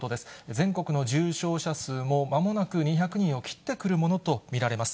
全国の重症者数もまもなく２００人を切ってくるものと見られます。